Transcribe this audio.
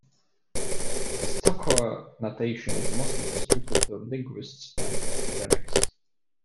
The Stokoe notation is mostly restricted to linguists and academics.